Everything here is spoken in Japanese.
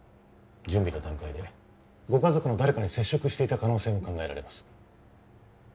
準備の段階でご家族の誰かに接触していた可能性も考えられます